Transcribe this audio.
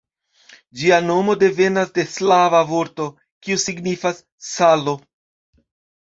Ĝia nomo devenas de slava vorto, kiu signifas "salo".